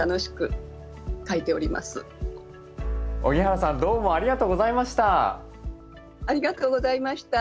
荻原さんどうもありがとうございました。